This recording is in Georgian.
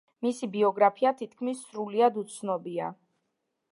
მისი ბიოგრაფია თითქმის სრულიად უცნობია.